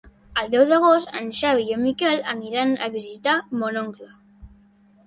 El deu d'agost en Xavi i en Miquel aniran a visitar mon oncle.